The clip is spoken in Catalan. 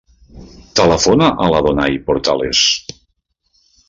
Telefona a l'Adonay Portales.